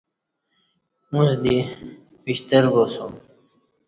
اُݩڅ دی وِݜترباسوم